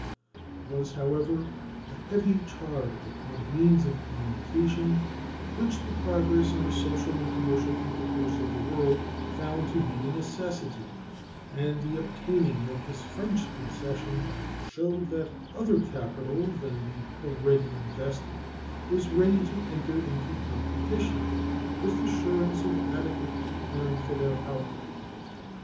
It was, however, a heavy charge upon a means of communication which the progress in the social and commercial intercourse of the world found to be a necessity, and the obtaining of this French concession showed that other capital than that already invested was ready to enter into competition, with assurance of adequate return for their outlay.